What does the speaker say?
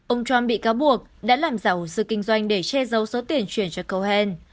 ông trump bị cáo buộc đã làm giàu sự kinh doanh để che giấu số tiền chuyển cho cohen